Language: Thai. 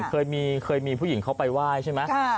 เคยมีผู้หญิงเขาไปไหว้ใช่ไหม